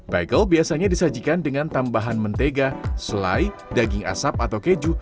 bagel biasanya disajikan dengan tambahan mentega selai daging asap atau keju